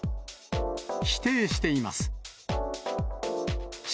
否定しています。